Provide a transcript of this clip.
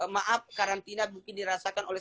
maaf karantina mungkin dirasakan oleh